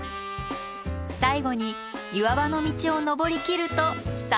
最後に岩場の道を登りきると山頂です。